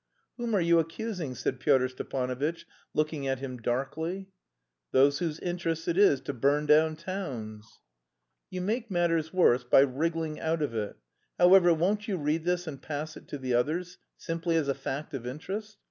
"Whom are you accusing?" said Pyotr Stepanovitch, looking at him darkly. "Those whose interest it is to burn down towns." "You make matters worse by wriggling out of it. However, won't you read this and pass it to the others, simply as a fact of interest?"